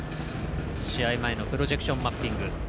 試合前のプロジェクションマッピング。